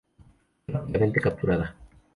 Fue rápidamente capturada.